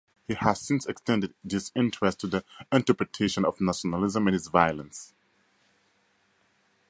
He has since extended this interest to the interpretation of nationalism and its violence.